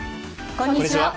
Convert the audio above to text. こんにちは。